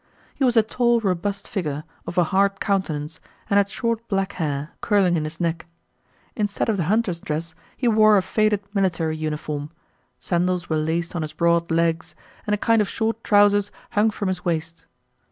He was a tall robust figure, of a hard countenance, and had short black hair, curling in his neck. Instead of the hunter's dress, he wore a faded military uniform; sandals were laced on his broad legs, and a kind of short trowsers hung from his waist.